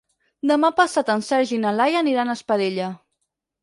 Demà passat en Sergi i na Laia aniran a Espadella.